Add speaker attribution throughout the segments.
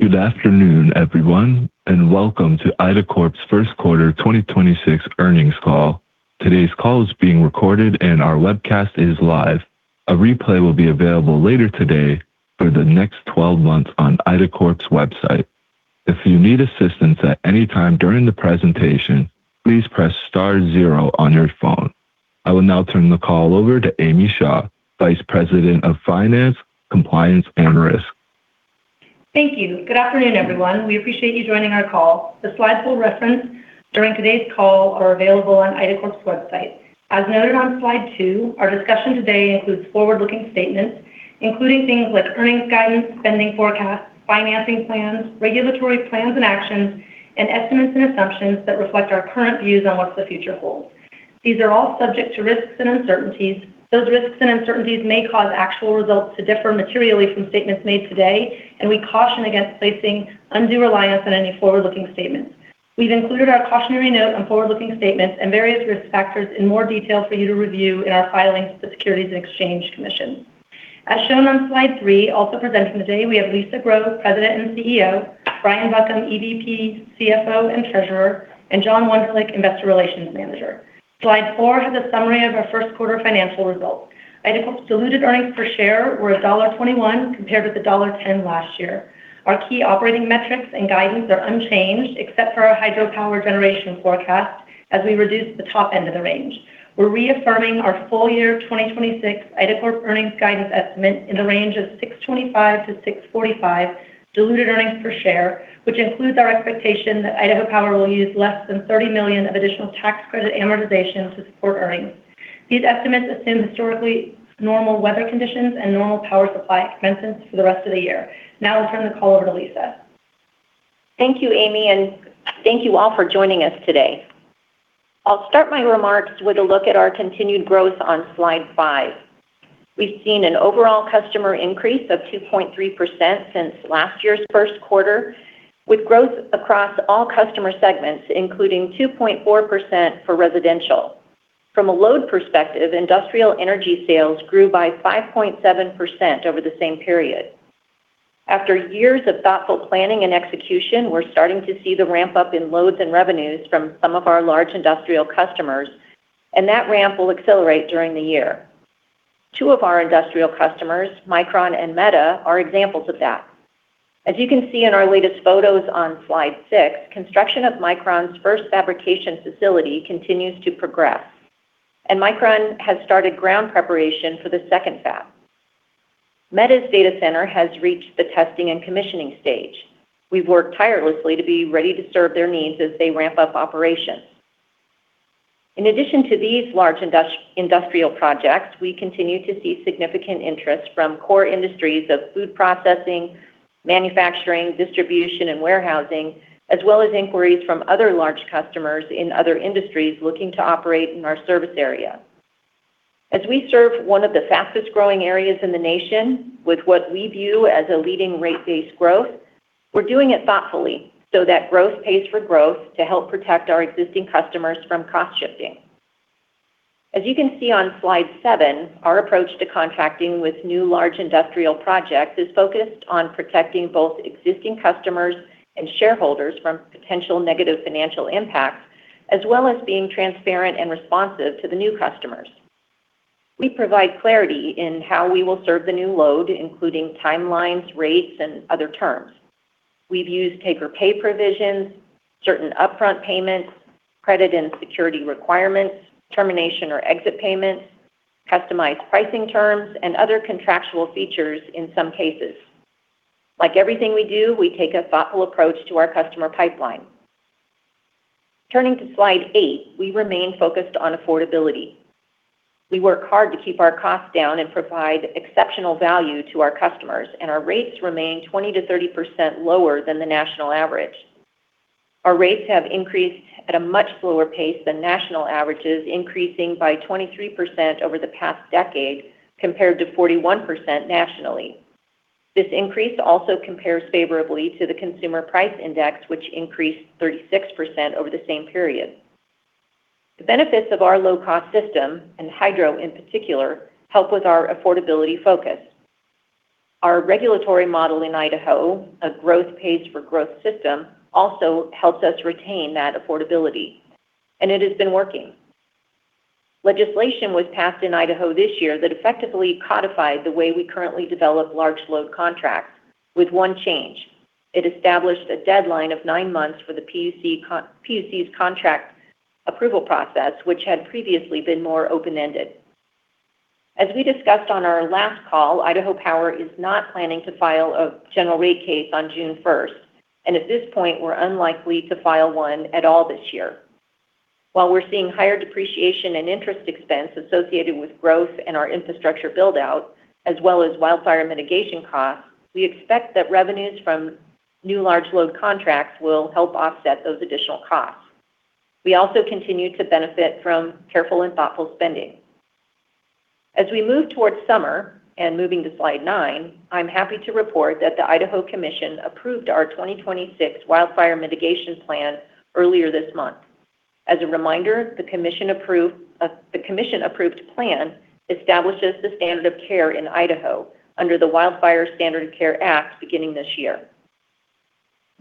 Speaker 1: Good afternoon, everyone, and welcome to IDACORP's first quarter 2026 earnings call. Today's call is being recorded and our webcast is live. A replay will be available later today for the next 12 months on IDACORP's website. If you need assistance at any time during the presentation, please press star 0 on your phone. I will now turn the call over to Amy Shaw, Vice President of Finance, Compliance, and Risk.
Speaker 2: Thank you. Good afternoon, everyone. We appreciate you joining our call. The slides we'll reference during today's call are available on IDACORP's website. As noted on slide two, our discussion today includes forward-looking statements, including things like earnings guidance, spending forecasts, financing plans, regulatory plans and actions, and estimates and assumptions that reflect our current views on what the future holds. These are all subject to risks and uncertainties. Those risks and uncertainties may cause actual results to differ materially from statements made today. We caution against placing undue reliance on any forward-looking statements. We've included our cautionary note on forward-looking statements and various risk factors in more detail for you to review in our filings with the Securities and Exchange Commission. As shown on slide three, also presenting today, we have Lisa Grow, President and CEO; Brian Buckham, EVP, CFO, and Treasurer; and John Wonderlich, Investor Relations Manager. Slide four has a summary of our first quarter financial results. IDACORP's diluted earnings per share were $1.21 compared with $1.10 last year. Our key operating metrics and guidance are unchanged, except for our hydropower generation forecast as we reduce the top end of the range. We're reaffirming our full year 2026 IDACORP earnings guidance estimate in the range of $6.25-$6.45 diluted earnings per share, which includes our expectation that Idaho Power will use less than $30 million of additional tax credit amortization to support earnings. These estimates assume historically normal weather conditions and normal power supply expenses for the rest of the year. Now I'll turn the call over to Lisa.
Speaker 3: Thank you, Amy, and thank you all for joining us today. I'll start my remarks with a look at our continued growth on Slide five. We've seen an overall customer increase of 2.3% since last year's first quarter, with growth across all customer segments, including 2.4% for residential. From a load perspective, industrial energy sales grew by 5.7% over the same period. After years of thoughtful planning and execution, we're starting to see the ramp-up in loads and revenues from some of our large industrial customers, and that ramp will accelerate during the year. Two of our industrial customers, Micron and Meta, are examples of that. As you can see in our latest photos on Slide six, construction of Micron's first fabrication facility continues to progress, and Micron has started ground preparation for the second fab. Meta's data center has reached the testing and commissioning stage. We've worked tirelessly to be ready to serve their needs as they ramp up operations. In addition to these large industrial projects, we continue to see significant interest from core industries of food processing, manufacturing, distribution, and warehousing, as well as inquiries from other large customers in other industries looking to operate in our service area. As we serve one of the fastest-growing areas in the nation with what we view as a leading rate-based growth, we're doing it thoughtfully so that growth pays for growth to help protect our existing customers from cost shifting. As you can see on Slide seven, sour approach to contracting with new large industrial projects is focused on protecting both existing customers and shareholders from potential negative financial impacts, as well as being transparent and responsive to the new customers. We provide clarity in how we will serve the new load, including timelines, rates, and other terms. We've used take or pay provisions, certain upfront payments, credit and security requirements, termination or exit payments, customized pricing terms, and other contractual features in some cases. Like everything we do, we take a thoughtful approach to our customer pipeline. Turning to Slide eight, we remain focused on affordability. We work hard to keep our costs down and provide exceptional value to our customers, and our rates remain 20%-30% lower than the national average. Our rates have increased at a much slower pace than national averages, increasing by 23% over the past decade compared to 41% nationally. This increase also compares favorably to the Consumer Price Index, which increased 36% over the same period. The benefits of our low-cost system, and hydro in particular, help with our affordability focus. Our regulatory model in Idaho, a growth pace for growth system, also helps us retain that affordability, and it has been working. Legislation was passed in Idaho this year that effectively codified the way we currently develop large load contracts with one change. It established a deadline of nine months for the PUC's contract approval process, which had previously been more open-ended. As we discussed on our last call, Idaho Power is not planning to file a general rate case on June first, and at this point, we're unlikely to file one at all this year. While we're seeing higher depreciation and interest expense associated with growth in our infrastructure build-out, as well as wildfire mitigation costs, we expect that revenues from new large load contracts will help offset those additional costs. We also continue to benefit from careful and thoughtful spending. As we move towards summer, and moving to Slide nine, I'm happy to report that the Idaho Commission approved our 2026 wildfire mitigation plan earlier this month. As a reminder, the commission-approved plan establishes the standard of care in Idaho under the Wildfire Standard of Care Act beginning this year.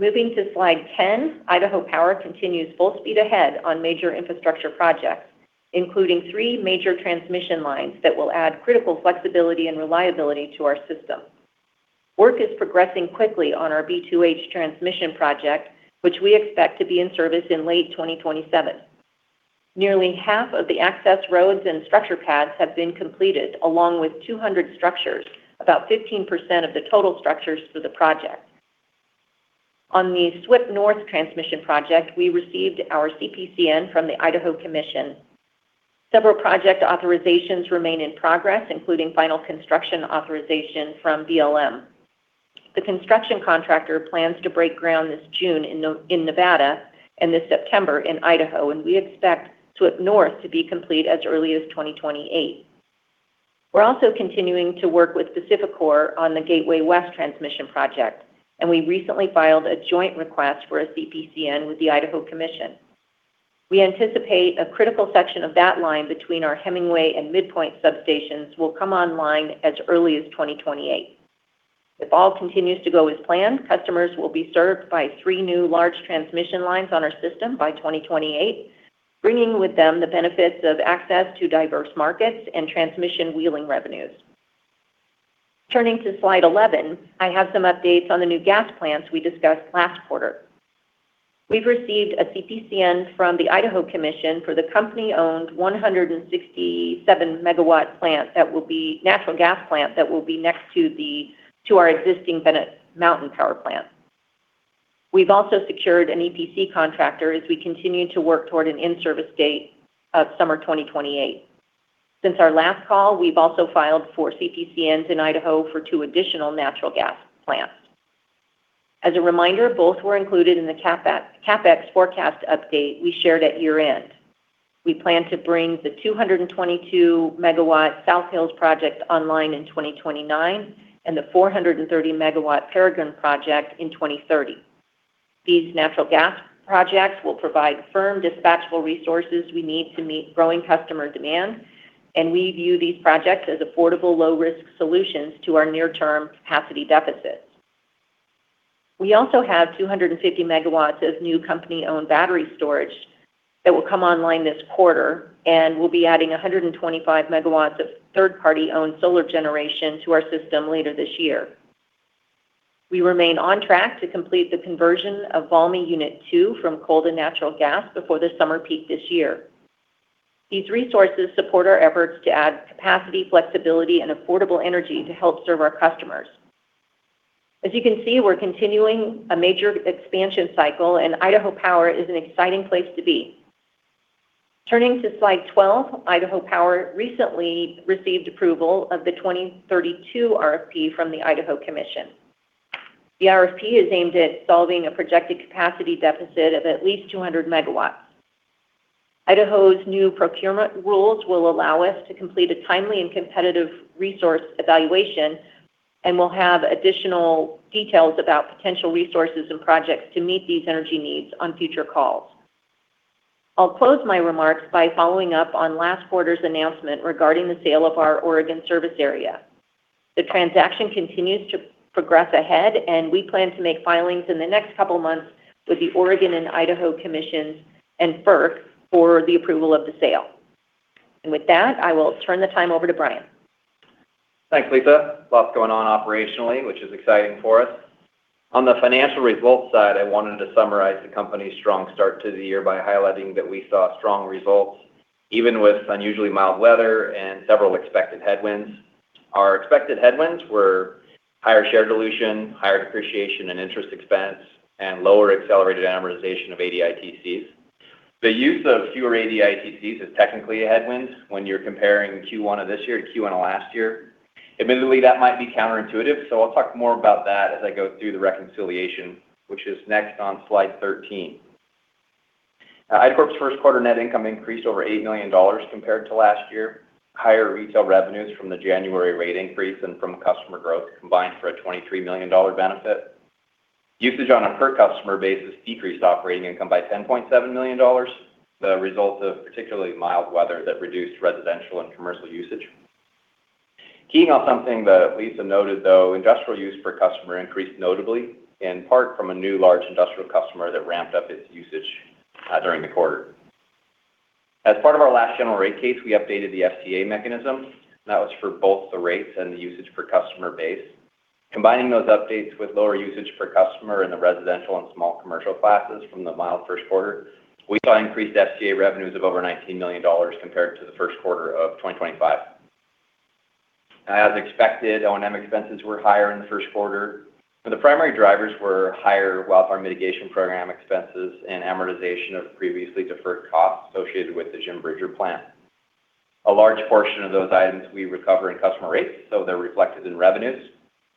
Speaker 3: Moving to Slide 10, Idaho Power continues full speed ahead on major infrastructure projects, including three major transmission lines that will add critical flexibility and reliability to our system. Work is progressing quickly on our B2H transmission project, which we expect to be in service in late 2027. Nearly half of the access roads and structure pads have been completed, along with 200 structures, about 15% of the total structures for the project. On the SWIP-North transmission project, we received our CPCN from the Idaho Commission. Several project authorizations remain in progress, including final construction authorization from BLM. The construction contractor plans to break ground this June in Nevada and this September in Idaho, and we expect SWIP-North to be complete as early as 2028. We're also continuing to work with PacifiCorp on the Gateway West transmission project, and we recently filed a joint request for a CPCN with the Idaho Commission. We anticipate a critical section of that line between our Hemingway and Midpoint substations will come online as early as 2028. If all continues to go as planned, customers will be served by three new large transmission lines on our system by 2028, bringing with them the benefits of access to diverse markets and transmission wheeling revenues. Turning to slide 11, I have some updates on the new gas plants we discussed last quarter. We've received a CPCN from the Idaho Commission for the company-owned 167 MW plant, a natural gas plant that will be next to our existing Bennett Mountain Power Plant. We've also secured an EPC contractor as we continue to work toward an in-service date of summer 2028. Since our last call, we've also filed four CPCNs in Idaho for two additional natural gas plants. As a reminder, both were included in the CapEx forecast update we shared at year-end. We plan to bring the 222 MW South Hills project online in 2029 and the 430 MW Peregrine project in 2030. These natural gas projects will provide firm dispatchable resources we need to meet growing customer demand, and we view these projects as affordable, low-risk solutions to our near-term capacity deficits. We also have 250 MW of new company-owned battery storage that will come online this quarter, and we'll be adding 125 MW of third-party owned solar generation to our system later this year. We remain on track to complete the conversion of Valmy Unit Two from coal to natural gas before the summer peak this year. These resources support our efforts to add capacity, flexibility, and affordable energy to help serve our customers. As you can see, we're continuing a major expansion cycle, and Idaho Power is an exciting place to be. Turning to slide 12, Idaho Power recently received approval of the 2032 RFP from the Idaho Commission. The RFP is aimed at solving a projected capacity deficit of at least 200 MW. Idaho's new procurement rules will allow us to complete a timely and competitive resource evaluation, and we'll have additional details about potential resources and projects to meet these energy needs on future calls. I'll close my remarks by following up on last quarter's announcement regarding the sale of our Oregon service area. The transaction continues to progress ahead, and we plan to make filings in the next couple months with the Oregon and Idaho Commissions and FERC for the approval of the sale. With that, I will turn the time over to Brian.
Speaker 4: Thanks, Lisa. Lots going on operationally, which is exciting for us. On the financial results side, I wanted to summarize the company's strong start to the year by highlighting that we saw strong results, even with unusually mild weather and several expected headwinds. Our expected headwinds were higher share dilution, higher depreciation and interest expense, and lower accelerated amortization of ADITCs. The use of fewer ADITCs is technically a headwind when you're comparing Q1 of this year to Q1 of last year. Admittedly, that might be counterintuitive. I'll talk more about that as I go through the reconciliation, which is next on slide 13. IDACORP's first quarter net income increased over $8 million compared to last year. Higher retail revenues from the January rate increase and from customer growth combined for a $23 million benefit. Usage on a per customer basis decreased operating income by $10.7 million, the result of particularly mild weather that reduced residential and commercial usage. Keying on something that Lisa noted, though, industrial use per customer increased notably, in part from a new large industrial customer that ramped up its usage during the quarter. As part of our last general rate case, we updated the FCA mechanism. That was for both the rates and the usage per customer base. Combining those updates with lower usage per customer in the residential and small commercial classes from the mild first quarter, we saw increased FCA revenues of over $19 million compared to the first quarter of 2025. As expected, O&M expenses were higher in the first quarter, but the primary drivers were higher wildfire mitigation program expenses and amortization of previously deferred costs associated with the Jim Bridger plant. A large portion of those items we recover in customer rates, so they're reflected in revenues.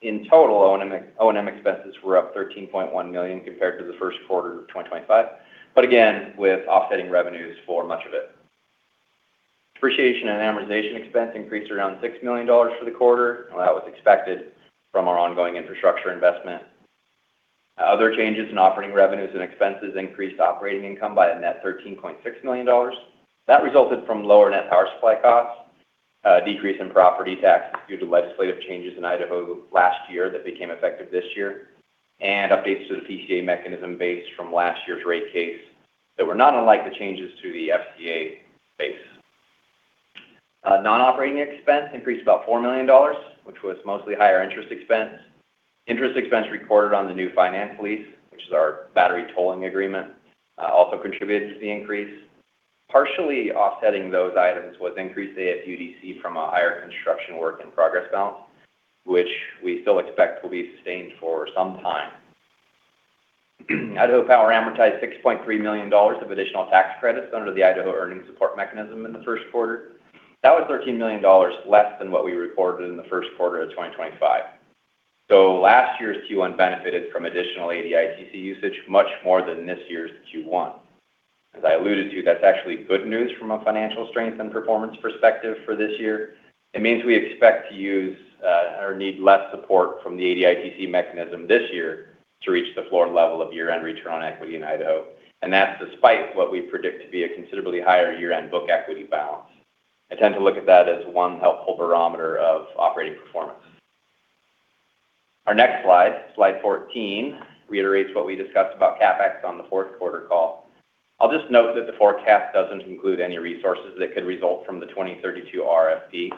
Speaker 4: In total, O&M expenses were up $13.1 million compared to the first quarter of 2025, but again, with offsetting revenues for much of it. Depreciation and amortization expense increased around $6 million for the quarter. That was expected from our ongoing infrastructure investment. Other changes in operating revenues and expenses increased operating income by a net $13.6 million. That resulted from lower net power supply costs, a decrease in property taxes due to legislative changes in Idaho last year that became effective this year, and updates to the PCA mechanism base from last year's rate case that were not unlike the changes to the FCA base. Non-operating expense increased about $4 million, which was mostly higher interest expense. Interest expense recorded on the new finance lease, which is our battery tolling agreement, also contributed to the increase. Partially offsetting those items was increased AFUDC from a higher construction work in progress balance, which we still expect will be sustained for some time. Idaho Power amortized $6.3 million of additional tax credits under the Idaho Earnings Support Mechanism in the first quarter. That was $13 million less than what we reported in the first quarter of 2025. Last year's Q1 benefited from additional ADITC usage much more than this year's Q1. As I alluded to, that's actually good news from a financial strength and performance perspective for this year. It means we expect to use, or need less support from the ADITC mechanism this year to reach the floor level of year-end return on equity in Idaho, and that's despite what we predict to be a considerably higher year-end book equity balance. I tend to look at that as one helpful barometer of operating performance. Our next slide 14, reiterates what we discussed about CapEx on the fourth quarter call. I'll just note that the forecast doesn't include any resources that could result from the 2032 RFP,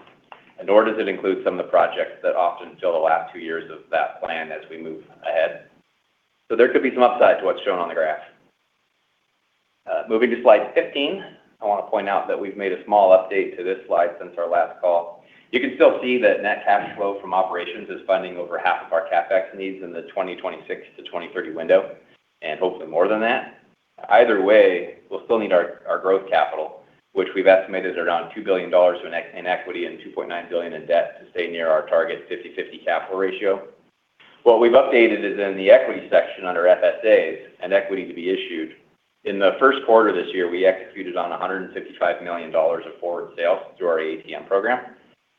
Speaker 4: and nor does it include some of the projects that often fill the last two years of that plan as we move ahead. There could be some upside to what's shown on the graph. Moving to slide 15, I want to point out that we've made a small update to this slide since our last call. You can still see that net cash flow from operations is funding over half of our CapEx needs in the 2026 to 2030 window, and hopefully more than that. Either way, we'll still need our growth capital, which we've estimated are around $2 billion in equity and $2.9 billion in debt to stay near our target 50/50 capital ratio. What we've updated is in the equity section under FSAs and equity to be issued. In the first quarter this year, we executed on $155 million of forward sales through our ATM program,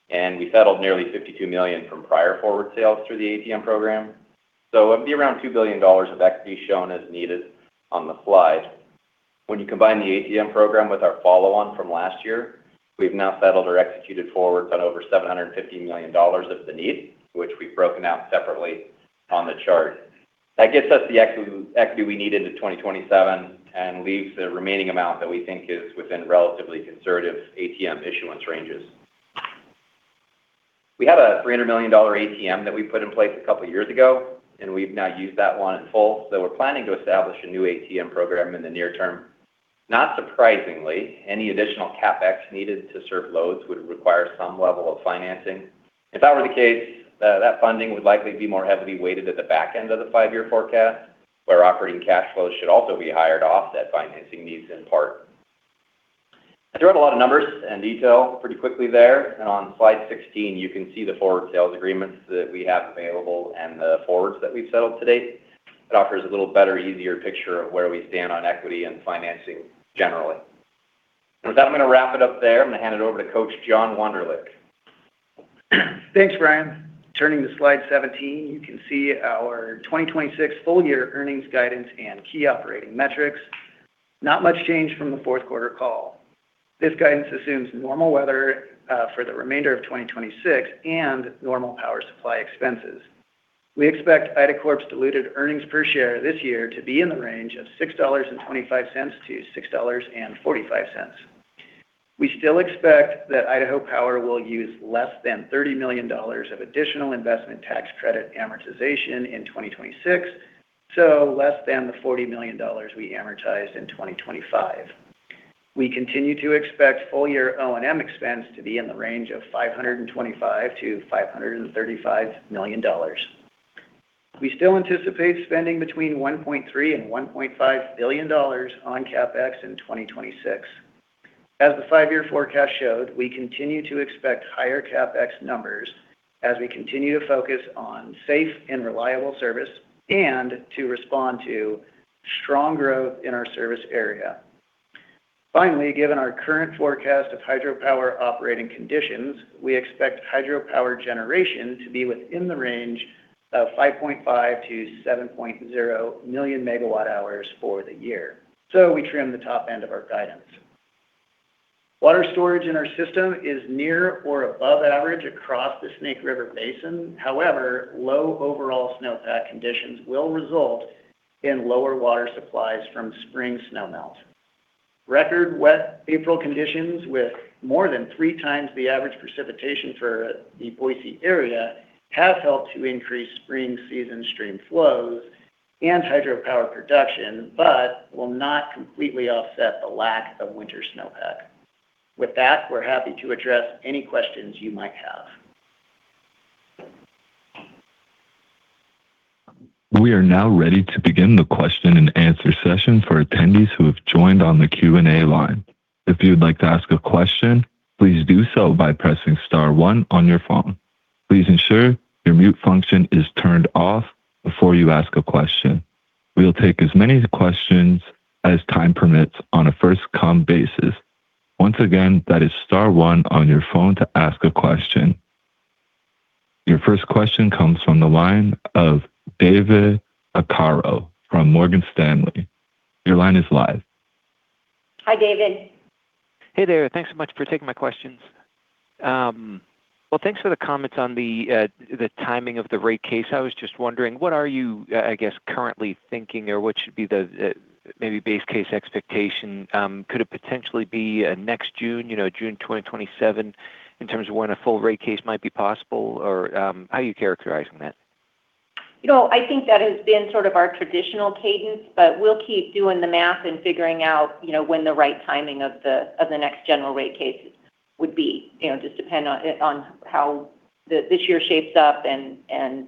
Speaker 4: and we settled nearly $52 million from prior forward sales through the ATM program. It'd be around $2 billion of equity shown as needed on the slide. When you combine the ATM program with our follow-on from last year, we've now settled or executed forwards on over $750 million of the need, which we've broken out separately on the chart. That gets us the equity we need into 2027 and leaves the remaining amount that we think is within relatively conservative ATM issuance ranges. We have a $300 million ATM that we put in place a couple years ago, and we've now used that one in full. We're planning to establish a new ATM program in the near term. Not surprisingly, any additional CapEx needed to serve loads would require some level of financing. If that were the case, that funding would likely be more heavily weighted at the back end of the five-year forecast, where operating cash flows should also be higher to offset financing needs in part. I threw out a lot of numbers and detail pretty quickly there. On slide 16, you can see the Forward Sale Agreements that we have available and the forwards that we've settled to date. It offers a little better, easier picture of where we stand on equity and financing generally. With that, I'm going to wrap it up there. I'm going to hand it over to Coach John Wonderlich.
Speaker 5: Thanks, Brian. Turning to slide 17, you can see our 2026 full-year earnings guidance and key operating metrics. Not much change from the fourth quarter call. This guidance assumes normal weather for the remainder of 2026 and normal power supply expenses. We expect IDACORP's diluted earnings per share this year to be in the range of $6.25-$6.45. We still expect that Idaho Power will use less than $30 million of additional Investment Tax Credit amortization in 2026, so less than the $40 million we amortized in 2025. We continue to expect full-year O&M expense to be in the range of $525 million-$535 million. We still anticipate spending between $1.3 billion and $1.5 billion on CapEx in 2026. As the five-year forecast showed, we continue to expect higher CapEx numbers as we continue to focus on safe and reliable service and to respond to strong growth in our service area. Given our current forecast of hydropower operating conditions, we expect hydropower generation to be within the range of 5.5-7.0 million MWh for the year. We trim the top end of our guidance. Water storage in our system is near or above average across the Snake River Basin. However, low overall snowpack conditions will result in lower water supplies from spring snowmelt. Record wet April conditions with more than three times the average precipitation for the Boise area have helped to increase spring season stream flows and hydropower production, but will not completely offset the lack of winter snowpack. With that, we're happy to address any questions you might have.
Speaker 1: Your first question comes from the line of David Arcaro from Morgan Stanley. Your line is live.
Speaker 3: Hi, David.
Speaker 6: Hey there. Thanks so much for taking my questions. Well, thanks for the comments on the timing of the rate case. I was just wondering, what are you, I guess, currently thinking or what should be the maybe base case expectation? Could it potentially be next June, you know, June 2027 in terms of when a full rate case might be possible? Or, how are you characterizing that?
Speaker 3: You know, I think that has been sort of our traditional cadence, but we'll keep doing the math and figuring out, you know, when the right timing of the, of the next general rate case would be. You know, just depend on how this year shapes up and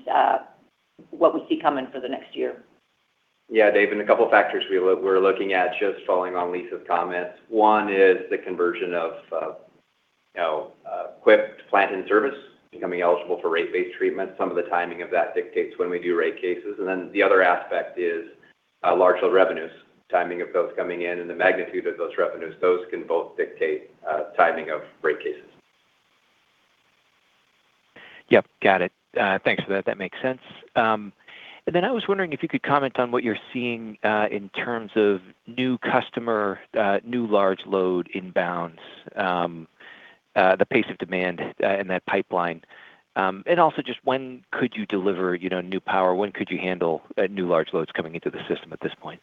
Speaker 3: what we see coming for the next year.
Speaker 4: David, a couple factors we're looking at, just following on Lisa's comments. One is the conversion of, you know, equipped plant and service becoming eligible for rate-based treatment. Some of the timing of that dictates when we do rate cases. The other aspect is large load revenues, timing of those coming in and the magnitude of those revenues. Those can both dictate timing of rate cases.
Speaker 6: Yep, got it. Thanks for that. That makes sense. I was wondering if you could comment on what you're seeing in terms of new customer, new large load inbounds, the pace of demand in that pipeline. Just when could you deliver, you know, new power? When could you handle new large loads coming into the system at this point?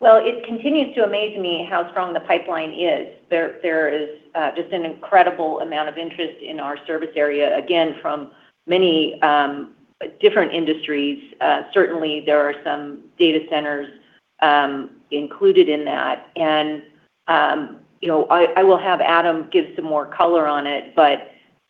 Speaker 3: Well, it continues to amaze me how strong the pipeline is. There is just an incredible amount of interest in our service area, again, from many different industries. Certainly there are some data centers included in that. You know, I will have Adam give some more color on it.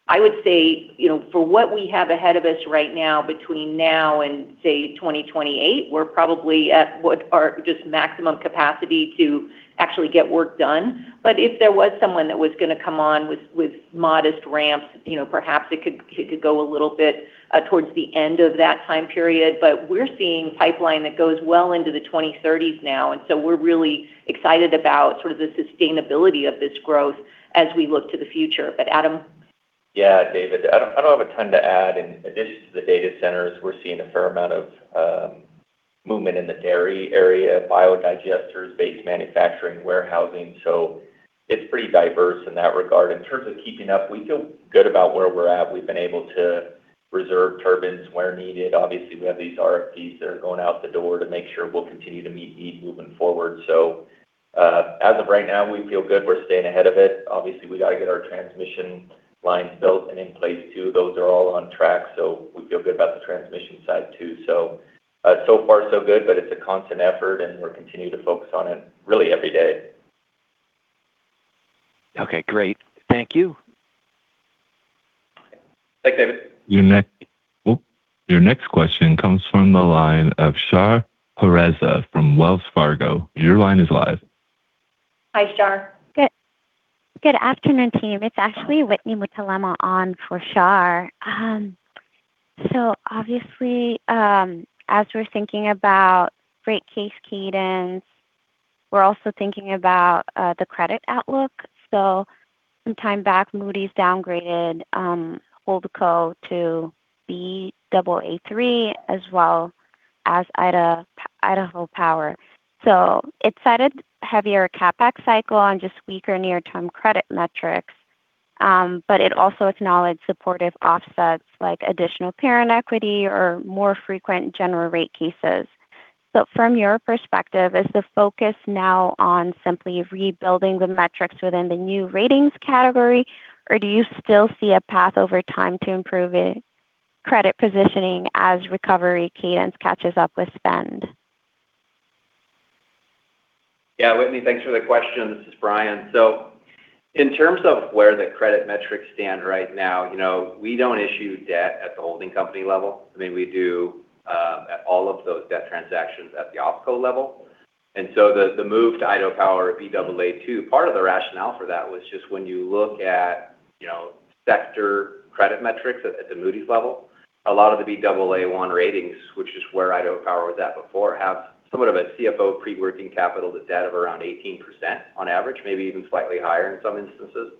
Speaker 3: I would say, you know, for what we have ahead of us right now, between now and say 2028, we're probably at what are just maximum capacity to actually get work done. If there was someone that was gonna come on with modest ramps, you know, perhaps it could go a little bit towards the end of that time period. We're seeing pipeline that goes well into the 2030s now. We're really excited about sort of the sustainability of this growth as we look to the future. Adam?
Speaker 7: David, I don't have a ton to add. In addition to the data centers, we're seeing a fair amount of movement in the dairy area, biodigesters, base manufacturing, warehousing. It's pretty diverse in that regard. In terms of keeping up, we feel good about where we're at. We've been able to reserve turbines where needed. Obviously, we have these RFPs that are going out the door to make sure we'll continue to meet needs moving forward. As of right now, we feel good. We're staying ahead of it. Obviously, we gotta get our transmission lines built and in place too. Those are all on track, we feel good about the transmission side too. So far so good, but it's a constant effort, and we'll continue to focus on it really every day.
Speaker 6: Okay, great. Thank you.
Speaker 4: Thanks, David.
Speaker 1: Your next question comes from the line of Shar Pourreza from Wells Fargo. Your line is live.
Speaker 3: Hi, Shar.
Speaker 8: Good afternoon, team. It's actually Whitney Mutalemwa on for Shar. Obviously, as we're thinking about rate case cadence, we're also thinking about the credit outlook. Some time back, Moody's downgraded Holdco to Baa3 as well as Idaho Power. It cited heavier CapEx cycle on just weaker near-term credit metrics, but it also acknowledged supportive offsets like additional parent equity or more frequent general rate cases. From your perspective, is the focus now on simply rebuilding the metrics within the new ratings category, or do you still see a path over time to improve it, credit positioning as recovery cadence catches up with spend?
Speaker 4: Yeah, Whitney, thanks for the question. This is Brian. In terms of where the credit metrics stand right now, you know, we don't issue debt at the holding company level. I mean, we do all of those debt transactions at the OpCo level. The move to Idaho Power Baa2, part of the rationale for that was just when you look at, you know, sector credit metrics at the Moody's level, a lot of the Baa1 ratings, which is where Idaho Power was at before, have somewhat of a CFO pre-working capital to debt of around 18% on average, maybe even slightly higher in some instances.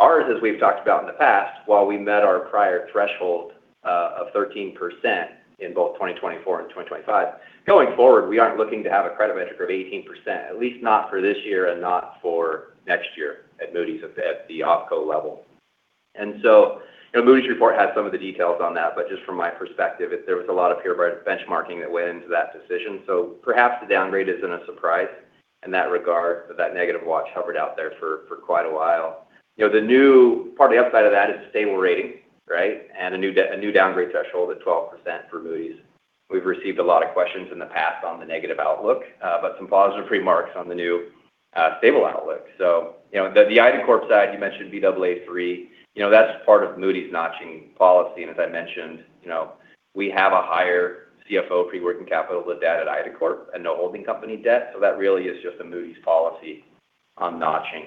Speaker 4: Ours, as we've talked about in the past, while we met our prior threshold, of 13% in both 2024 and 2025, going forward, we aren't looking to have a credit metric of 18%, at least not for this year and not for next year at Moody's at the OpCo level. You know, Moody's report has some of the details on that, but just from my perspective, there was a lot of peer benchmarking that went into that decision. Perhaps the downgrade isn't a surprise in that regard, but that negative watch hovered out there for quite a while. You know, the new part of the upside of that is stable rating, right? A new downgrade threshold at 12% for Moody's. We've received a lot of questions in the past on the negative outlook, but some positive remarks on the new stable outlook. You know, the IDACORP side, you mentioned Baa3. You know, that's part of Moody's notching policy. As I mentioned, you know, we have a higher CFO pre-working capital to debt at IDACORP and no holding company debt. That really is just a Moody's policy on notching.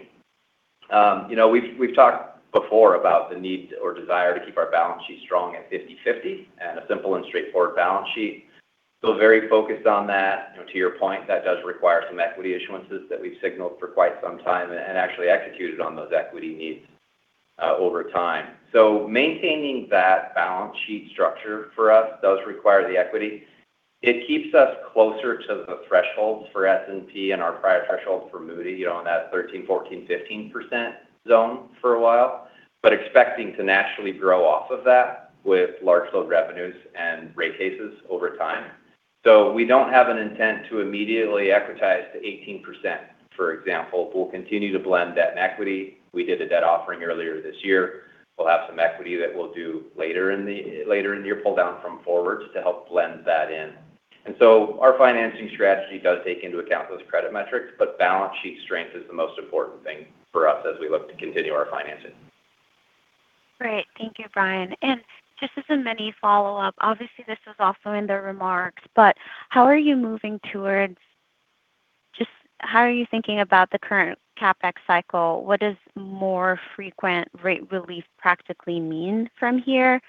Speaker 4: You know, we've talked before about the need or desire to keep our balance sheet strong at 50/50, and a simple and straightforward balance sheet. Still very focused on that. You know, to your point, that does require some equity issuances that we've signaled for quite some time and actually executed on those equity needs over time. Maintaining that balance sheet structure for us does require the equity. It keeps us closer to the thresholds for S&P and our prior thresholds for Moody's in that 13%, 14%, 15% zone for a while. Expecting to naturally grow off of that with large load revenues and rate cases over time. We don't have an intent to immediately equitize to 18%, for example. We'll continue to blend debt and equity. We did a debt offering earlier this year. We'll have some equity that we'll do later in the year pull down from forward to help blend that in. Our financing strategy does take into account those credit metrics, but balance sheet strength is the most important thing for us as we look to continue our financing.
Speaker 8: Great. Thank you, Brian. Just as a mini follow-up, obviously this was also in the remarks, but how are you thinking about the current CapEx cycle? What does more frequent rate relief practically mean from here?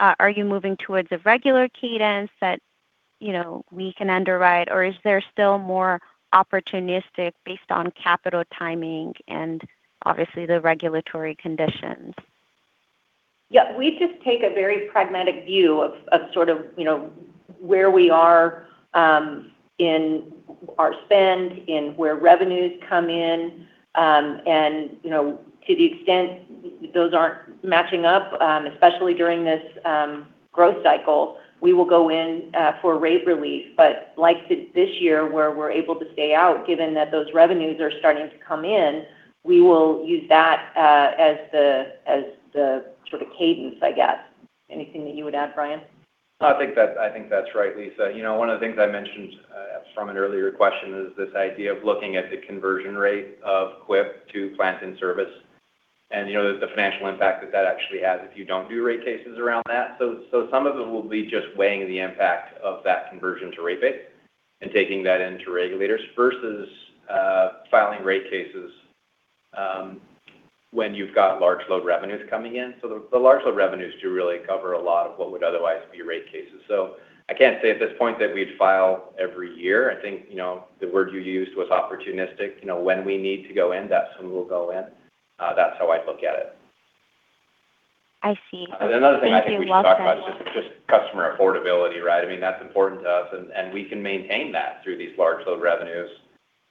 Speaker 8: Are you moving towards a regular cadence that, you know, we can underwrite? Or is there still more opportunistic based on capital timing and obviously the regulatory conditions?
Speaker 3: Yeah. We just take a very pragmatic view of sort of, you know, where we are in our spend, in where revenues come in. To the extent those aren't matching up, especially during this growth cycle, we will go in for rate relief. Like this year, where we're able to stay out given that those revenues are starting to come in, we will use that as the, as the sort of cadence, I guess. Anything that you would add, Brian?
Speaker 4: I think that's right, Lisa. You know, one of the things I mentioned from an earlier question is this idea of looking at the conversion rate of CWIP to plants in service and, you know, the financial impact that that actually has if you don't do rate cases around that. Some of it will be just weighing the impact of that conversion to rate base and taking that into regulators versus filing rate cases when you've got large load revenues coming in. The large load revenues do really cover a lot of what would otherwise be rate cases. I can't say at this point that we'd file every year. I think, you know, the word you used was opportunistic. You know, when we need to go in, that's when we'll go in. That's how I'd look at it.
Speaker 8: I see.
Speaker 4: Another thing I think we should talk about is just customer affordability, right. I mean, that's important to us. We can maintain that through these large load revenues,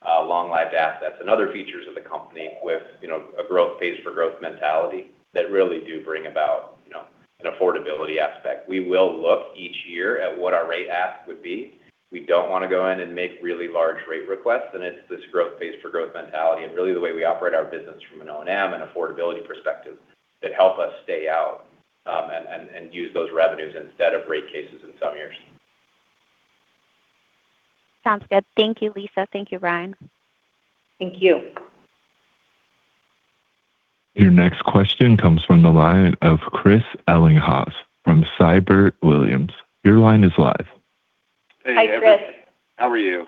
Speaker 4: long-lived assets and other features of the company with, you know, a growth base for growth mentality that really do bring about, you know, an affordability aspect. We will look each year at what our rate ask would be. We don't wanna go in and make really large rate requests. It's this growth base for growth mentality and really the way we operate our business from an O&M and affordability perspective that help us stay out and use those revenues instead of rate cases in some years.
Speaker 8: Sounds good. Thank you, Lisa. Thank you, Brian.
Speaker 3: Thank you.
Speaker 1: Your next question comes from the line of Chris Ellinghaus from Siebert Williams. Your line is live.
Speaker 3: Hi, Chris.
Speaker 9: How are you?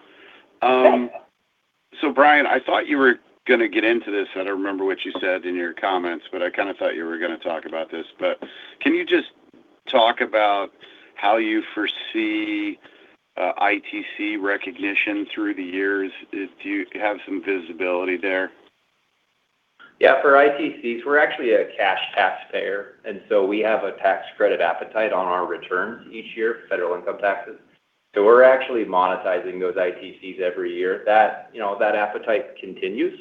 Speaker 9: Brian, I thought you were gonna get into this. I don't remember what you said in your comments, I kinda thought you were gonna talk about this. Can you just talk about how you foresee ITC recognition through the years? Do you have some visibility there?
Speaker 4: Yeah, for ITCs, we're actually a cash taxpayer, we have a tax credit appetite on our returns each year, federal income taxes. We're actually monetizing those ITCs every year. That, you know, that appetite continues.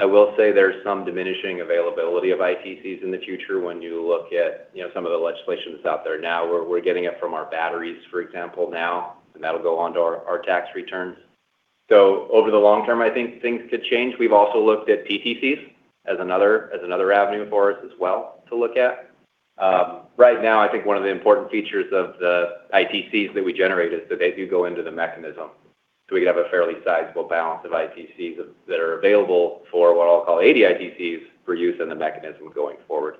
Speaker 4: I will say there's some diminishing availability of ITCs in the future when you look at, you know, some of the legislations out there now. We're getting it from our batteries, for example, now, that'll go onto our tax returns. Over the long term, I think things could change. We've also looked at PTCs as another avenue for us as well to look at. Right now I think one of the important features of the ITCs that we generate is that they do go into the mechanism. We have a fairly sizable balance of ITCs that are available for what I'll call ADITCs for use in the mechanism going forward.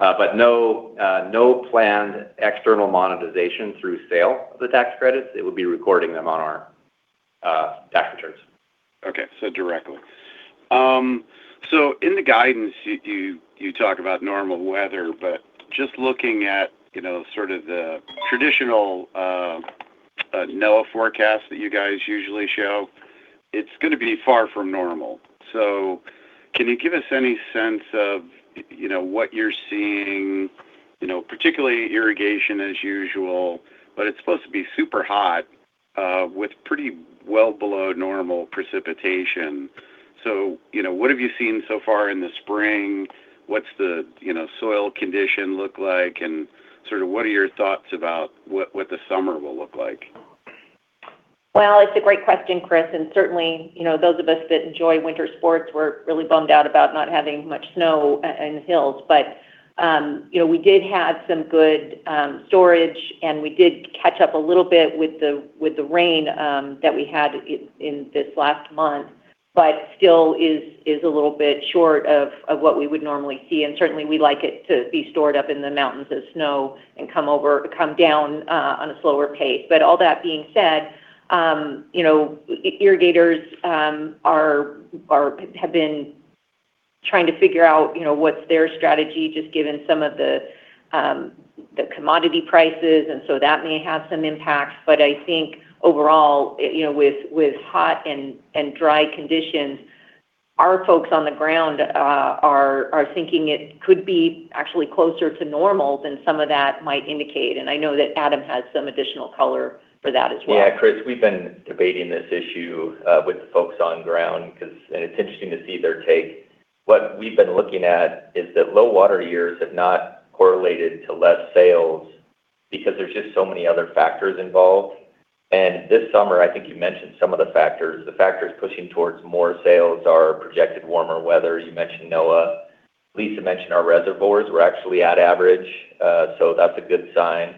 Speaker 4: No planned external monetization through sale of the tax credits. It would be recording them on our tax returns.
Speaker 9: Okay. Directly. In the guidance you talk about normal weather, but just looking at, you know, sort of the traditional NOAA forecast that you guys usually show, it's gonna be far from normal. Can you give us any sense of, you know, what you're seeing, you know, particularly irrigation as usual, but it's supposed to be super hot with pretty well below normal precipitation. You know, what have you seen so far in the spring? What's the, you know, soil condition look like? Sort of what are your thoughts about what the summer will look like?
Speaker 3: Well, it's a great question, Chris, and certainly, you know, those of us that enjoy winter sports were really bummed out about not having much snow in the hills. You know, we did have some good storage, and we did catch up a little bit with the, with the rain that we had in this last month. Still is a little bit short of what we would normally see, and certainly we'd like it to be stored up in the mountains as snow and come down on a slower pace. All that being said, you know, irrigators have been trying to figure out, you know, what's their strategy, just given some of the commodity prices, and so that may have some impact. I think overall, you know, with hot and dry conditions, our folks on the ground, are thinking it could be actually closer to normal than some of that might indicate. I know that Adam has some additional color for that as well.
Speaker 7: Yeah, Chris, we've been debating this issue with the folks on ground. It's interesting to see their take. What we've been looking at is that low water years have not correlated to less sales because there's just so many other factors involved. This summer, I think you mentioned some of the factors. The factors pushing towards more sales are projected warmer weather. You mentioned NOAA. Lisa mentioned our reservoirs. We're actually at average, so that's a good sign.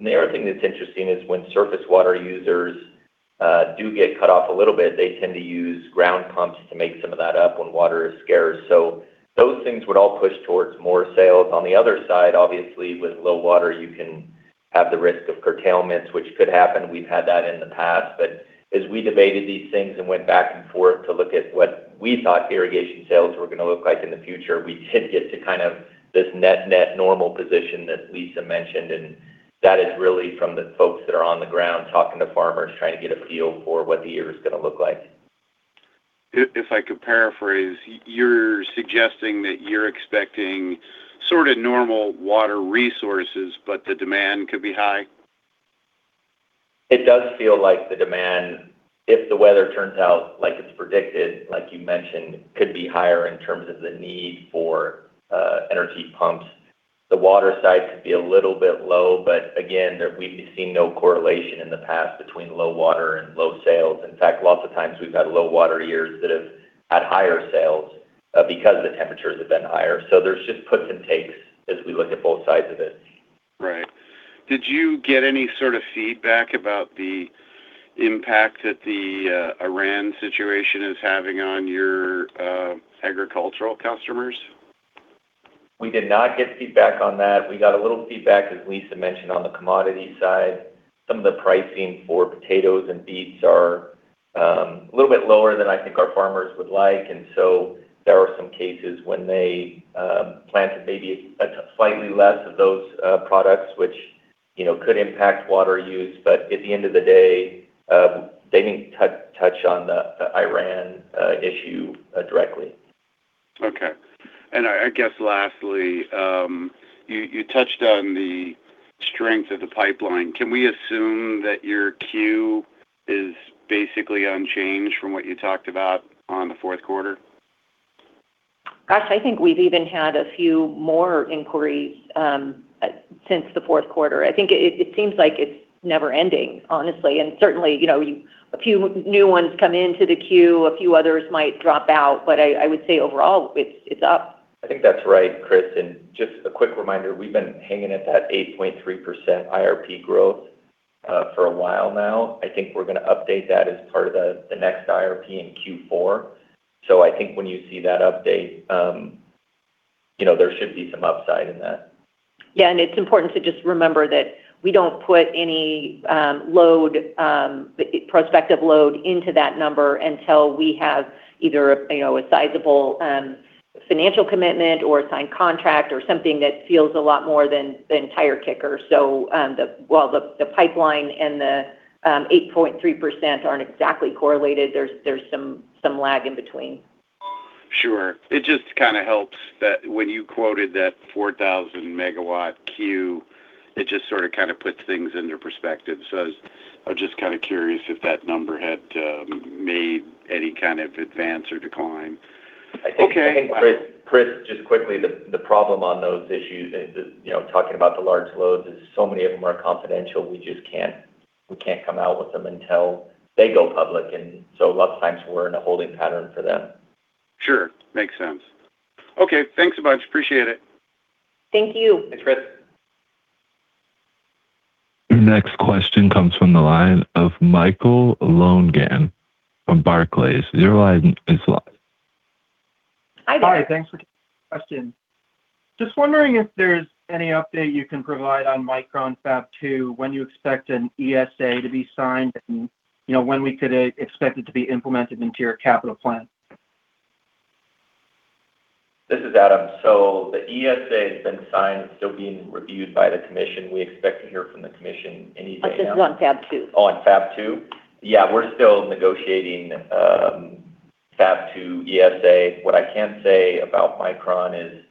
Speaker 7: The other thing that's interesting is when surface water users do get cut off a little bit, they tend to use ground pumps to make some of that up when water is scarce. Those things would all push towards more sales. On the other side, obviously, with low water, you can have the risk of curtailments, which could happen. We've had that in the past. As we debated these things and went back and forth to look at what we thought irrigation sales were gonna look like in the future, we did get to kind of this net-net normal position that Lisa mentioned, and that is really from the folks that are on the ground talking to farmers, trying to get a feel for what the year is gonna look like.
Speaker 9: If I could paraphrase, you're suggesting that you're expecting sort of normal water resources, but the demand could be high?
Speaker 7: It does feel like the demand, if the weather turns out like it's predicted, like you mentioned, could be higher in terms of the need for energy pumps. The water side could be a little bit low, but again, we've seen no correlation in the past between low water and low sales. In fact, lots of times we've had low water years that have had higher sales because the temperatures have been higher. There's just puts and takes as we look at both sides of it.
Speaker 9: Right. Did you get any sort of feedback about the impact that the Iran situation is having on your agricultural customers?
Speaker 7: We did not get feedback on that. We got a little feedback, as Lisa mentioned, on the commodity side. Some of the pricing for potatoes and beets are a little bit lower than I think our farmers would like. There are some cases when they planted maybe a slightly less of those products, which, you know, could impact water use. At the end of the day, they didn't touch on the Iran issue directly.
Speaker 9: Okay. I guess lastly, you touched on the strength of the pipeline. Can we assume that your queue is basically unchanged from what you talked about on the fourth quarter?
Speaker 3: Gosh, I think we've even had a few more inquiries, since the fourth quarter. I think it seems like it's never-ending, honestly. Certainly, you know, a few new ones come into the queue, a few others might drop out. I would say overall, it's up.
Speaker 7: I think that's right, Chris. Just a quick reminder, we've been hanging at that 8.3% IRP growth for a while now. I think we're gonna update that as part of the next IRP in Q4. I think when you see that update, you know, there should be some upside in that.
Speaker 3: It's important to just remember that we don't put any load, prospective load into that number until we have either a, you know, a sizable financial commitment or a signed contract or something that feels a lot more than the entire kicker. The pipeline and the 8.3% aren't exactly correlated. There's some lag in between.
Speaker 9: Sure. It just kinda helps that when you quoted that 4,000 MW queue, it just sorta kinda puts things into perspective. I was just kinda curious if that number had made any kind of advance or decline. Okay.
Speaker 7: I think, Chris, just quickly, the problem on those issues is, you know, talking about the large loads is so many of them are confidential. We just can't come out with them until they go public. A lot of times we're in a holding pattern for them.
Speaker 9: Sure. Makes sense. Okay. Thanks a bunch. Appreciate it.
Speaker 3: Thank you.
Speaker 7: Thanks, Chris.
Speaker 1: Your next question comes from the line of Michael Lonegan from Barclays. Your line is live.
Speaker 3: Hi, Michael.
Speaker 10: Hi, thanks for taking my question. Just wondering if there's any update you can provide on Micron Fab 2, when you expect an ESA to be signed, and, you know, when we could expect it to be implemented into your capital plan.
Speaker 7: This is Adam. The ESA has been signed. It's still being reviewed by the commission. We expect to hear from the commission any day now.
Speaker 3: This is on Fab 2.
Speaker 7: On Fab 2? Yeah, we're still negotiating Fab 2 ESA. What I can say about Micron is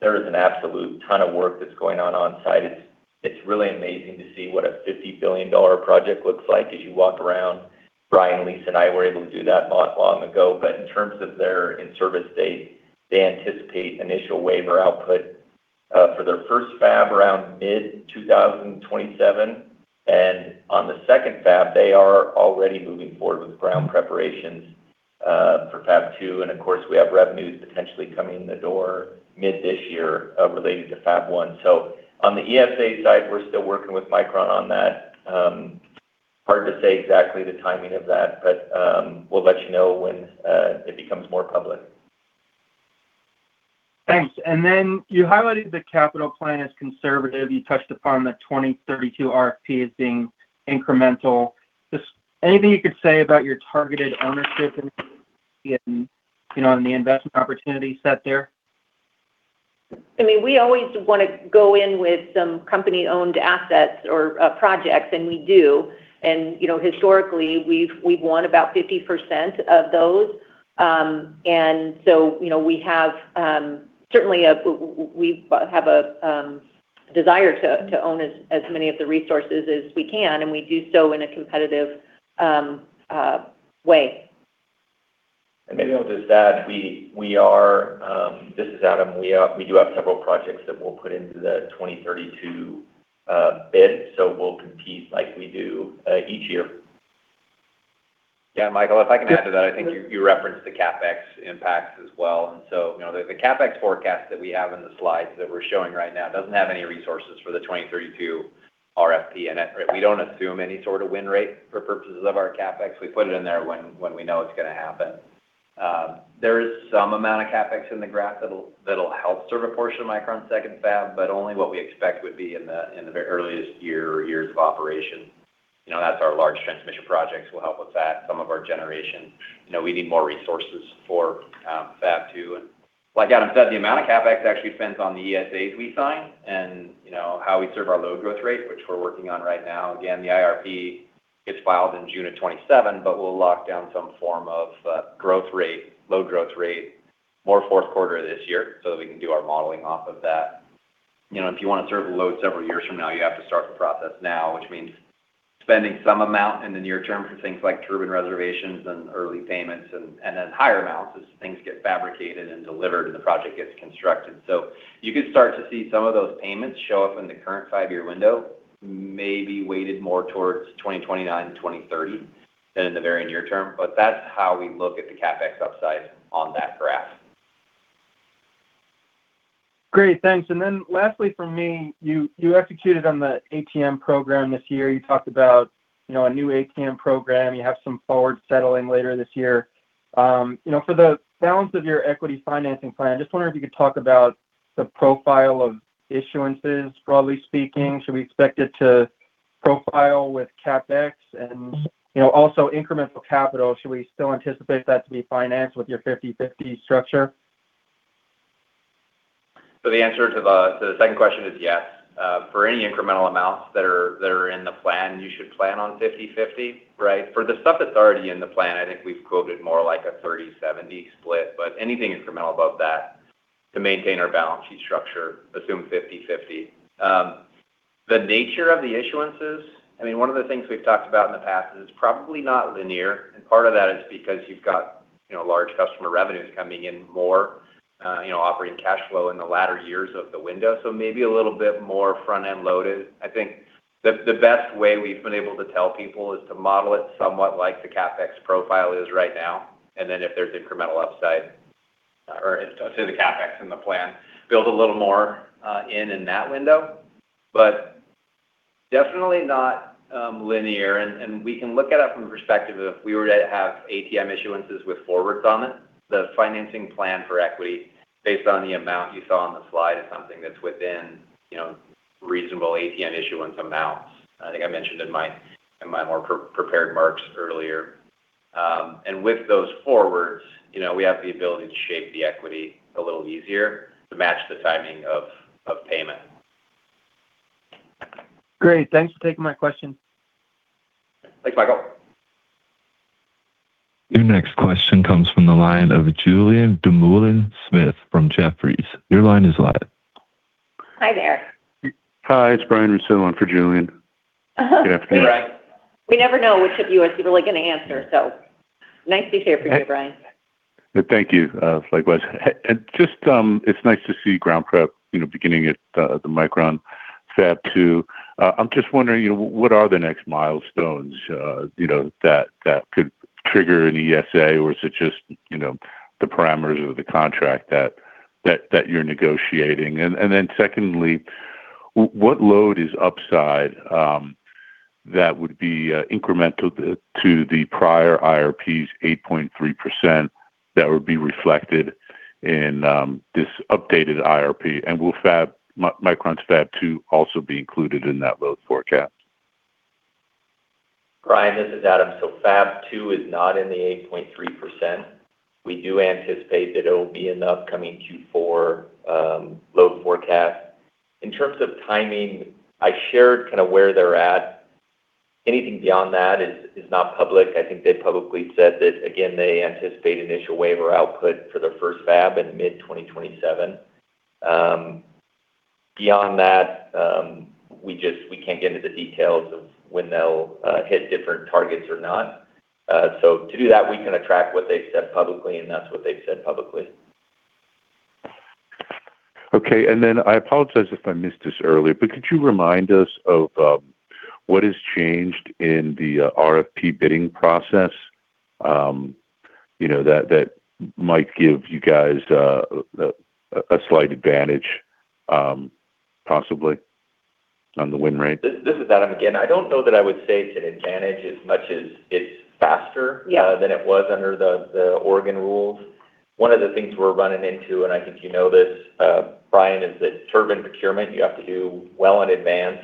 Speaker 7: there is an absolute ton of work that's going on on site. It's really amazing to see what a $50 billion project looks like as you walk around. Brian, Lisa, and I were able to do that not long ago. In terms of their in-service date, they anticipate initial waiver output for their first fab around mid-2027. On the second fab, they are already moving forward with ground preparations for Fab 2. Of course, we have revenues potentially coming in the door mid this year related to Fab 1. On the ESA side, we're still working with Micron on that. Hard to say exactly the timing of that, but we'll let you know when it becomes more public.
Speaker 10: Thanks. You highlighted the capital plan as conservative. You touched upon the 2032 RFP as being incremental. Just anything you could say about your targeted ownership and, you know, and the investment opportunity set there?
Speaker 3: I mean, we always want to go in with some company-owned assets or projects, and we do. You know, historically, we've won about 50% of those. You know, we have certainly a, we have a desire to own as many of the resources as we can, and we do so in a competitive way.
Speaker 7: Maybe I'll just add, we are. This is Adam. We do have several projects that we'll put into the 2032 bid, so we'll compete like we do each year.
Speaker 4: Yeah, Michael, if I can add to that, I think you referenced the CapEx impacts as well. You know, the CapEx forecast that we have in the slides that we're showing right now doesn't have any resources for the 2032 RFP in it. We don't assume any sort of win rate for purposes of our CapEx. We put it in there when we know it's gonna happen. There is some amount of CapEx in the graph that'll help serve a portion of Micron's second fab, but only what we expect would be in the very earliest year or years of operation. You know, that's our large transmission projects will help with that, some of our generation. You know, we need more resources for fab 2. Like Adam said, the amount of CapEx actually depends on the ESAs we sign and, you know, how we serve our load growth rate, which we're working on right now. Again, the IRP gets filed in June of 2027, we'll lock down some form of growth rate, load growth rate more fourth quarter this year so that we can do our modeling off of that. You know, if you want to serve a load several years from now, you have to start the process now, which means spending some amount in the near term for things like turbine reservations and early payments and then higher amounts as things get fabricated and delivered and the project gets constructed. You could start to see some of those payments show up in the current five-year window, maybe weighted more towards 2029 and 2030 than in the very near term. That's how we look at the CapEx upside on that graph.
Speaker 10: Great. Thanks. Lastly from me, you executed on the ATM program this year. You talked about, you know, a new ATM program. You have some forward settling later this year. You know, for the balance of your equity financing plan, just wondering if you could talk about the profile of issuances, broadly speaking. Should we expect it to profile with CapEx? You know, also incremental capital, should we still anticipate that to be financed with your 50-50 structure?
Speaker 4: The answer to the second question is yes. For any incremental amounts that are in the plan, you should plan on 50/50, right? For the stuff that's already in the plan, I think we've quoted more like a 30/70 split. Anything incremental above that to maintain our balance sheet structure, assume 50/50. The nature of the issuances, I mean, one of the things we've talked about in the past is it's probably not linear, and part of that is because you've got, you know, large customer revenues coming in more, you know, operating cash flow in the latter years of the window. Maybe a little bit more front-end loaded. I think the best way we've been able to tell people is to model it somewhat like the CapEx profile is right now, and then if there's incremental upside or to the CapEx in the plan, build a little more in that window. Definitely not linear. We can look at it from the perspective of if we were to have ATM issuances with forwards on it, the financing plan for equity based on the amount you saw on the slide is something that's within, you know, reasonable ATM issuance amounts, I think I mentioned in my more pre-prepared remarks earlier. With those forwards, you know, we have the ability to shape the equity a little easier to match the timing of payment.
Speaker 10: Great. Thanks for taking my question.
Speaker 4: Thanks, Michael.
Speaker 1: Your next question comes from the line of Julien Dumoulin-Smith from Jefferies. Your line is live.
Speaker 3: Hi there.
Speaker 11: Hi, it's Brian Russo on for Julien. Good afternoon.
Speaker 4: Hey, Brian.
Speaker 3: We never know which of you is really gonna answer, so nice to hear from you, Brian.
Speaker 11: Thank you. Likewise. And just, it's nice to see ground prep, you know, beginning at the Micron fab two. I'm just wondering, you know, what are the next milestones, you know, that could trigger an ESA? Or is it just, you know, the parameters of the contract that, that you're negotiating? Then secondly, what load is upside that would be incremental to the prior IRP's 8.3% that would be reflected in this updated IRP? Will Micron's fab two also be included in that load forecast?
Speaker 7: Brian, this is Adam. Fab 2 is not in the 8.3%. We do anticipate that it'll be in the upcoming Q4 load forecast. In terms of timing, I shared kind of where they're at. Anything beyond that is not public. I think they publicly said that, again, they anticipate initial waiver output for their first fab in mid 2027. Beyond that, we just can't get into the details of when they'll hit different targets or not. To do that, we kind of track what they've said publicly, and that's what they've said publicly.
Speaker 11: Okay. I apologize if I missed this earlier, but could you remind us of what has changed in the RFP bidding process, you know, that might give you guys a slight advantage, possibly? On the win rate.
Speaker 7: This is Adam again. I don't know that I would say it's an advantage as much as it's faster.
Speaker 4: Yeah...
Speaker 7: than it was under the Oregon rules. One of the things we're running into, and I think you know this, Brian, is that turbine procurement you have to do well in advance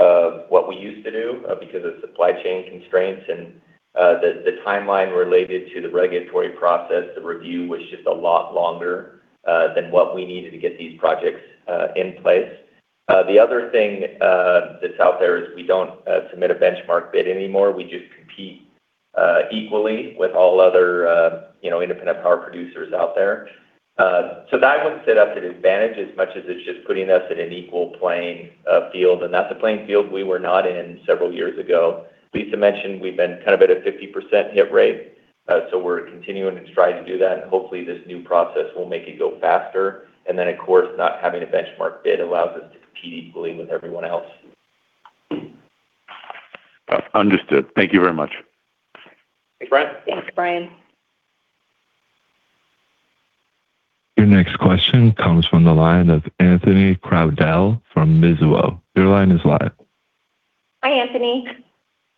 Speaker 7: of what we used to do, because of supply chain constraints and the timeline related to the regulatory process. The review was just a lot longer than what we needed to get these projects in place. The other thing that's out there is we don't submit a benchmark bid anymore. We just compete equally with all other, you know, independent power producers out there. That wouldn't set us at advantage as much as it's just putting us at an equal playing field, and that's a playing field we were not in several years ago. Lisa mentioned we've been kind of at a 50% hit rate. We're continuing to try to do that, and hopefully this new process will make it go faster. Of course, not having a benchmark bid allows us to compete equally with everyone else.
Speaker 11: Understood. Thank you very much.
Speaker 7: Thanks, Brian.
Speaker 4: Thanks, Brian.
Speaker 1: Your next question comes from the line of Anthony Crowdell from Mizuho. Your line is live.
Speaker 4: Hi, Anthony.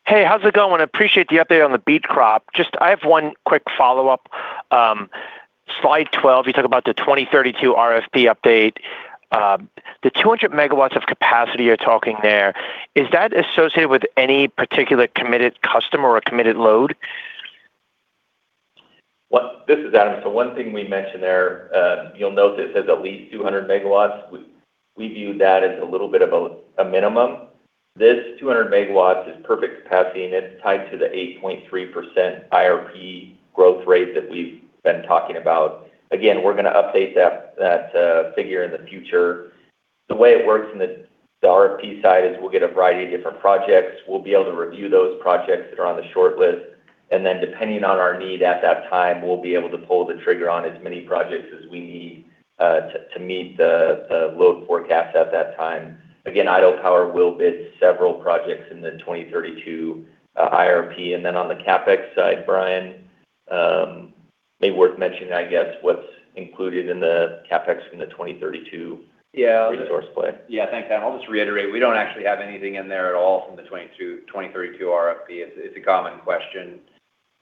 Speaker 12: Hey, how's it going? Appreciate the update on the beet crop. Just I have one quick follow-up. Slide 12, you talk about the 2032 RFP update. The 200 MW of capacity you're talking there, is that associated with any particular committed customer or committed load?
Speaker 7: This is Adam. So one thing we mentioned there, you'll note it says at least 200 MW. We view that as a little bit of a minimum. This 200 MW is perfect capacity, and it's tied to the 8.3% IRP growth rate that we've been talking about. Again, we're gonna update that figure in the future. The way it works in the RFP side is we'll get a variety of different projects. We'll be able to review those projects that are on the shortlist. Depending on our need at that time, we'll be able to pull the trigger on as many projects as we need to meet the load forecast at that time. Again, Idaho Power will bid several projects in the 2032 IRP. On the CapEx side, Brian, may be worth mentioning, I guess, what's included in the CapEx in the 2032.
Speaker 4: Yeah
Speaker 7: resource play.
Speaker 4: Yeah. Thanks, Adam. I'll just reiterate, we don't actually have anything in there at all from the 2022-2032 RFP. It's, it's a common question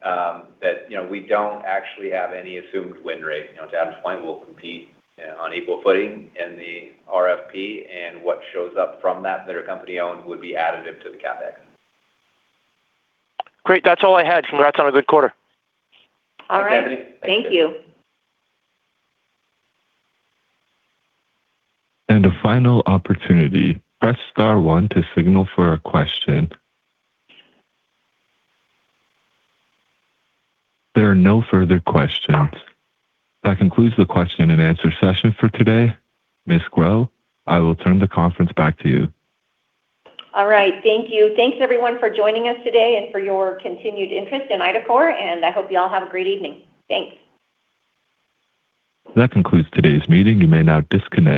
Speaker 4: that, you know, we don't actually have any assumed win rate. You know, to Adam's point, we'll compete on equal footing in the RFP, and what shows up from that that are company-owned would be additive to the CapEx.
Speaker 12: Great. That's all I had. Congrats on a good quarter.
Speaker 4: All right.
Speaker 7: Thanks, Anthony.
Speaker 4: Thank you.
Speaker 1: There are no further questions. That concludes the question and answer session for today. Ms. Grow, I will turn the conference back to you.
Speaker 3: All right. Thank you. Thanks everyone for joining us today and for your continued interest in IDACORP. I hope you all have a great evening. Thanks.
Speaker 1: That concludes today's meeting. You may now disconnect.